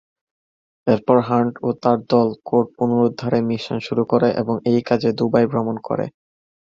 এরপর হান্ট ও তার দল কোড পুনরুদ্ধারের মিশন শুরু করে এবং এই কাজে দুবাই ভ্রমণ করে।